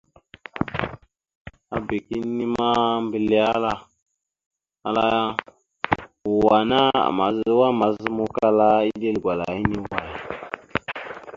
Abak inne ma, mbile ala ya: "Wa ana mawa mazǝmawkala iɗel gwala hine away?".